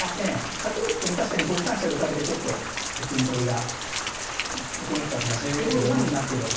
確かに５三飛車浮かれてちょっとと金取りが受けにくかったんですけど馬になっていれば